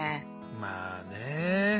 まあね。